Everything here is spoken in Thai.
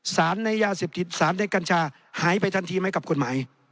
ในยาเสพติดสารในกัญชาหายไปทันทีไหมกับกฎหมาย